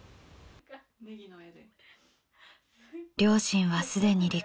両親はすでに離婚。